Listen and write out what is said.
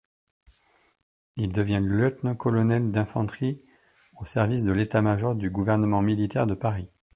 Il devient lieutenant-colonel d'infanterie au service de l'État-major du gouvernement militaire de Paris.